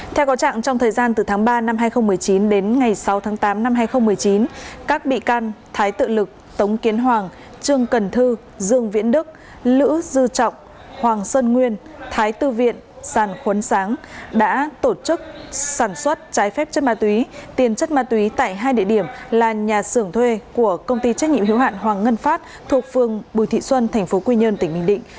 theo gọi trạng trong thời gian từ tháng ba năm hai nghìn một mươi chín đến ngày sáu tháng tám năm hai nghìn một mươi chín các bị can thái tự lực tống kiến hoàng trương cần thư dương viễn đức lữ dư trọng hoàng sơn nguyên thái tư viện sàn khuấn sáng đã tổ chức sản xuất trái phép chân ma túy tiền chất ma túy tại hai địa điểm là nhà sưởng thuê của công ty trách nhiệm hiếu hạn hoàng ngân pháp thuộc phường bùi thị xuân tp quy nhơn tỉnh bình định